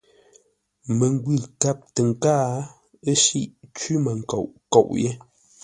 Məngwʉ̂ kâp tə nkáa, ə́ shíʼ; cwímənkoʼ nkôʼ yé.